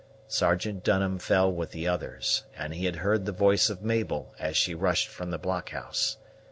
Sergeant Dunham fell with the others; and he had heard the voice of Mabel, as she rushed from the blockhouse.